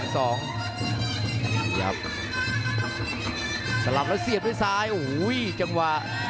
สลับสลับแล้วเสียบด้วยซ้ายโอ้โหจังหวะ